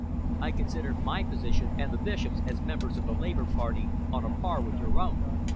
I consider my position, and the Bishop's, as members of the Labour Party, on a par with your own.